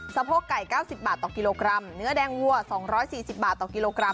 โพกไก่๙๐บาทต่อกิโลกรัมเนื้อแดงวัว๒๔๐บาทต่อกิโลกรัม